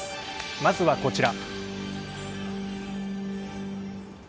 まずはこちら。